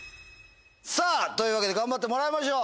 さぁというわけで頑張ってもらいましょう。